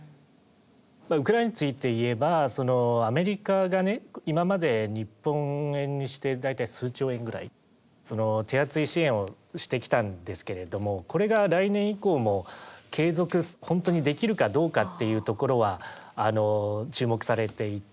ウクライナについて言えばアメリカが今まで日本円にして大体数兆円ぐらい手厚い支援をしてきたんですけれどもこれが来年以降も継続本当にできるかどうかっていうところは注目されていて。